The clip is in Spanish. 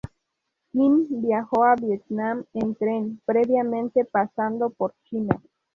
Kim viajo a Vietnam en tren previamente pasando por China.